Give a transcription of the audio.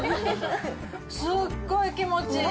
すっごい気持ちいい。